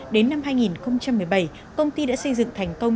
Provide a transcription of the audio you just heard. đến năm hai nghìn một mươi bảy công ty đã xây dựng thành công